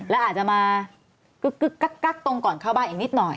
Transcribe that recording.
แล้วอาจจะมากึ๊กกักตรงก่อนเข้าบ้านอีกนิดหน่อย